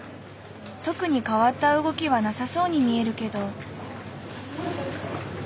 特に変わった動きはなさそうに見えるけど。